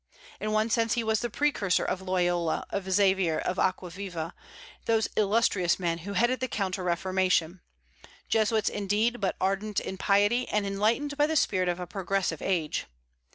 In one sense he was the precursor of Loyola, of Xavier, and of Aquaviva, those illustrious men who headed the counter reformation; Jesuits, indeed, but ardent in piety, and enlightened by the spirit of a progressive age.